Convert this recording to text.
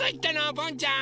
ボンちゃん。